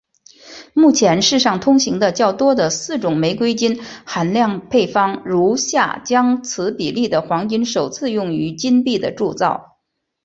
目前世上通行的较多的四种玫瑰金含量配方如下将此比例的黄金首次用于金币的铸造。